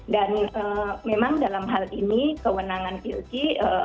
dan memang dalam hal ini kewenangan ilky